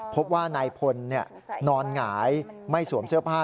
พบว่านายพลนอนหงายไม่สวมเสื้อผ้า